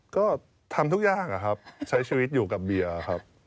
ก็ทำทุกอย่างครับใช้ชีวิตอยู่กับเบียร์ครับ